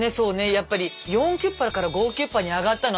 やっぱり４９８から５９８に上がったの